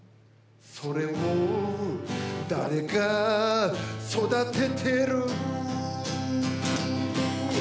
「それを誰が育ててる」